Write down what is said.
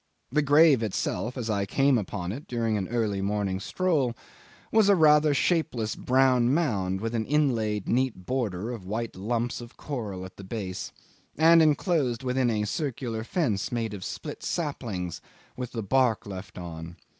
The grave itself, as I came upon it during an early morning stroll, was a rather shapeless brown mound, with an inlaid neat border of white lumps of coral at the base, and enclosed within a circular fence made of split saplings, with the bark left on.